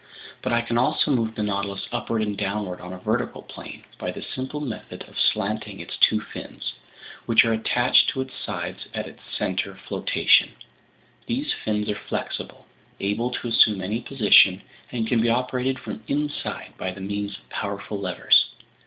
But I can also move the Nautilus upward and downward on a vertical plane by the simple method of slanting its two fins, which are attached to its sides at its center of flotation; these fins are flexible, able to assume any position, and can be operated from inside by means of powerful levers.